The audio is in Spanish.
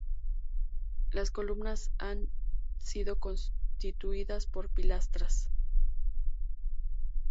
Las columnas han sido sustituidas por pilastras.